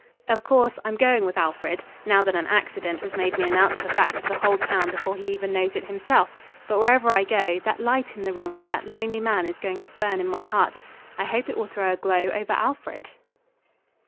_ Of course, I'm going with Alfred, now that an accident has made me announce the fact to the whole town before he even knows it himself, but wherever I go, that light in the room with that lonely man is going to burn in my heart. I hope it will throw a glow over Alfred!